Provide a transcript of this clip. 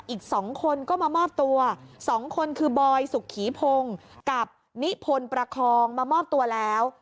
อีก๒คนก็มามอบตัว๒คนคือบอยสุขีพงศ์กับนิพนธ์ประคองมามอบตัวแล้ว